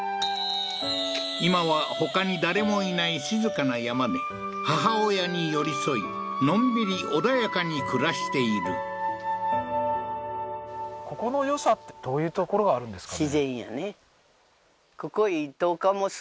今はほかに誰もいない静かな山で母親に寄り添いのんびり穏やかに暮らしているどういうところがあるんですかね？